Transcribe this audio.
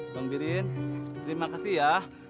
bang birin terima kasih ya